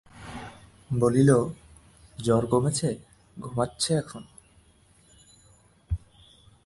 বলিল, জ্বর কমেছে, ঘুমোচ্ছে এখন।